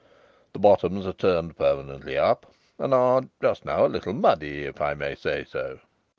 The bottoms are turned permanently up and are, just now, a little muddy, if I may say so."